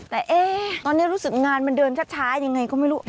แต่ตอนนี้รู้สึกงานมันเดินช้ายังไงก็ไม่รู้